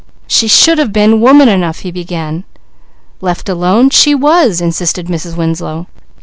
"She should have been woman enough " he began. "Left alone, she was!" insisted Mrs. Winslow.